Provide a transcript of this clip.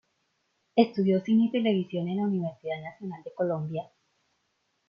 Estudio cine y televisión en la Universidad Nacional de Colombia.